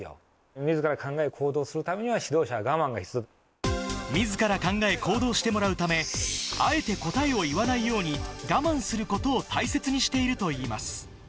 みずから考え行動するためには、みずから考え行動してもらうため、あえて答えを言わないように、我慢することを大切にしているといいます。